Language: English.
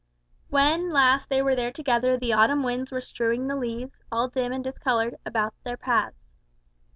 When last they were there together the autumn winds were strewing the leaves, all dim and discoloured, about their paths.